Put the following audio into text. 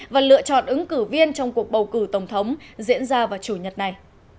và lựa chọn ứng cử viên trong cuộc bầu cử tổng thống diễn ra vào chủ nhật này